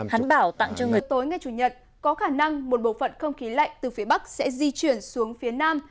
hắn bảo tặng cho người dân nhẹ dạ tối ngày chủ nhật có khả năng một bộ phận không khí lạnh từ phía bắc sẽ di chuyển xuống phía nam